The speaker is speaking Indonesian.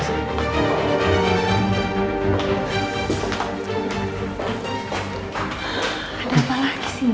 ada apa lagi sih